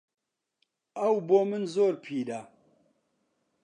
ئەو بۆ من زۆر پیرە.